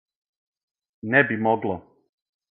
Не би могло.